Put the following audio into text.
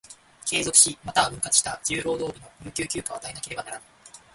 継続し、又は分割した十労働日の有給休暇を与えなければならない。